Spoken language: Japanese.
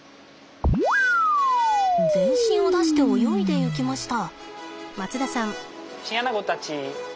全身を出して泳いでいきました。